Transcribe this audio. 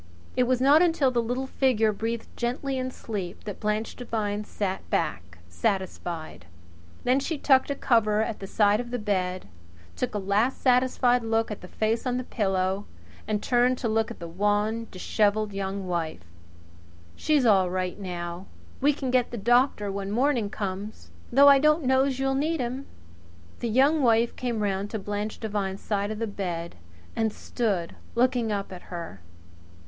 It was not until the little figure breathed gently in sleep that Blanche Devine sat back satisfied. Then she tucked a cover ever so gently at the side of the bed, took a last satisfied look at the face on the pillow, and turned to look at the wan, dishevelled Young Wife. "She's all right now. We can get the doctor when morning comes though I don't know's you'll need him." The Young Wife came round to Blanche Devine's side of the bed and stood looking up at her.